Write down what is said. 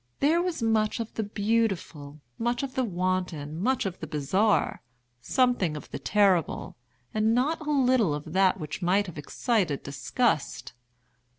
There was much of the beautiful, much of the wanton, much of the bizarre, something of the terrible, and not a little of that which might have excited disgust.